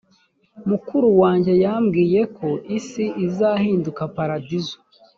mukuru wanjye yambwiye ko isi izahinduka paradizo